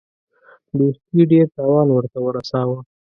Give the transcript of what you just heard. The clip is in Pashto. دوستي ډېر تاوان ورته ورساوه.